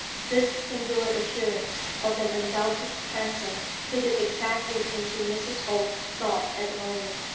This singular appearance of an undoubted Transome fitted exactly into Mrs. Holt's thought at the moment.